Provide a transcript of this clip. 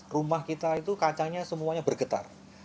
rumah kita itu kacanya semuanya bergetar